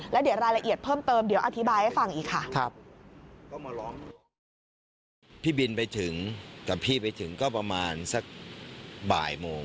แล้วเดี๋ยวรายละเอียดเพิ่มเติมเดี๋ยวอธิบายให้ฟังอีกค่ะ